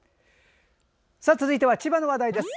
続いては千葉の話題です。